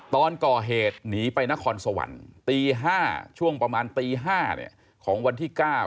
ตอนก่อเหตุหนีไปนครสวรรค์ตี๕ช่วงประมาณตี๕ของวันที่๙